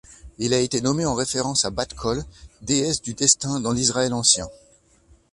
Il a été nommé en référence à Bathkol, déesse du destin dans l'Israël ancien.